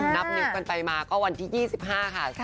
นับนิ้วกันไปมาก็วันที่๒๕ค่ะ